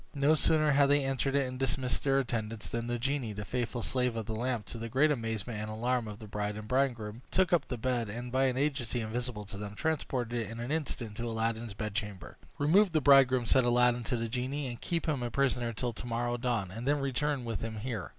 No sooner had they entered it and dismissed their attendants, than the genie, the faithful slave of the lamp, to the great amazement and alarm of the bride and bridegroom, took up the bed, and, by an agency invisible to them, transported it in an instant into Aladdin's chamber, where he set it down. "Remove the bridegroom," said Aladdin to the genie, "and keep him a prisoner till to morrow dawn, and then return with him here."